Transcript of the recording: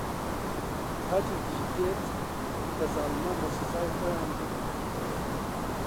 کاتێکیش دێت کە زاڵمان بە سزای خۆیان بگەن.